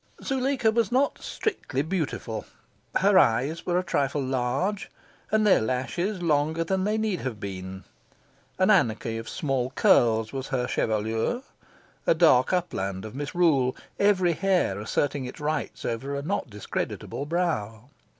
Zuleika was not strictly beautiful. Her eyes were a trifle large, and their lashes longer than they need have been. An anarchy of small curls was her chevelure, a dark upland of misrule, every hair asserting its rights over a not discreditable brow.